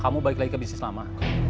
kamu balik lagi ke bisnis lama